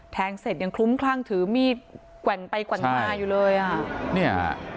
แทงเสร็จยังคลุ้มคร่างถือมีดแกว่งไปกว่าหน้าอยู่เลยละใช่เนี้ย